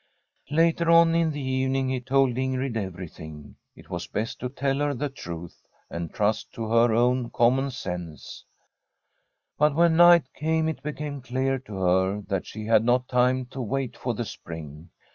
Later on in the evening he told Ingrid every thing. It was best to tell her the truth, and trust to her own common sense. But when night came it became clear to her that she had not time to wait for the spring.